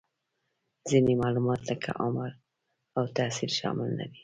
ځینې معلومات لکه عمر او تحصیل شامل نهدي